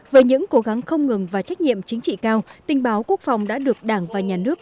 với những cố gắng không ngừng và trách nhiệm chính trị cao tình báo quốc phòng đã được đảng và nhà nước